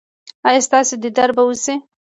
ایا ستاسو دیدار به وشي؟